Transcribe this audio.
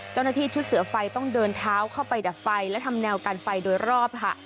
เจ้าหน้าที่ชุดเสือไฟต้องเดินเท้าเข้าไปดับไฟและทำแนวกันไฟโดยรอบค่ะ